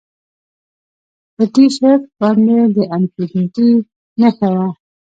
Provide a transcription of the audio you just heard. په ټي شرټ باندې د انفینټي نښه وه